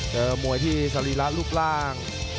มวยที่สรีระรูปร่าง